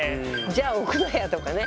「じゃあ置くなや！」とかね。